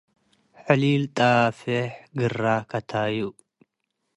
ሕሊል ጣፌሕ ግረ ከታዩ